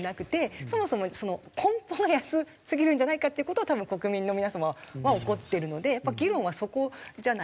そもそも根本が安すぎるんじゃないかっていう事を多分国民の皆様は怒ってるので議論はそこじゃないかなと。